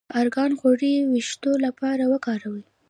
د ارګان غوړي د ویښتو لپاره وکاروئ